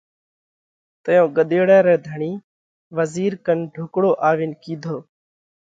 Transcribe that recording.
تئيون ڳۮيڙا رئہ ڌڻِي وزِير ڪنَ ڍُوڪڙو آوينَ ڪِيڌو: